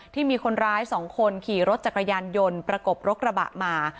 ที่มีคนร้าย๒คนขี่รถจักรยานยนต์ประกบรถกระบะมา